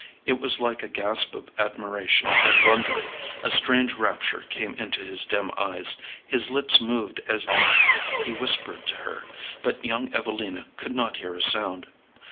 It was like a gasp of admiration and wonder; a strange rapture came into his dim eyes; his lips moved as if he whispered to her, but young Evelina could not hear a sound.